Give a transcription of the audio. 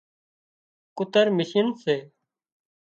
ڪُتر مشينَ سي